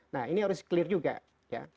nah ini harus clear juga ya